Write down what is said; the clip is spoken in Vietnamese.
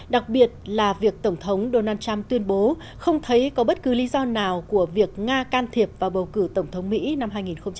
đặc biệt là việc tổng thống donald trump tuyên bố không thấy có bất cứ lý do nào của việc nga can thiệp vào bầu cử tổng thống mỹ năm hai nghìn một mươi sáu